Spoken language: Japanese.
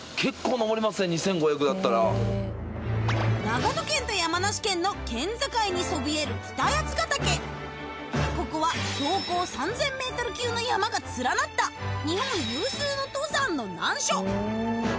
長野県と山梨県の県境にそびえるここは標高３０００ｍ級の山が連なった日本有数の登山の難所